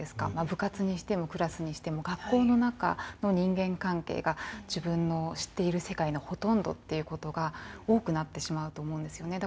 部活にしてもクラスにしても学校の中の人間関係が自分の知っている世界のほとんどっていうことが多くなってしまうと思うんですよね。